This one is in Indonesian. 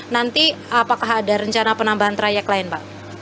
nanti apakah ada rencana penambahan trayek lain pak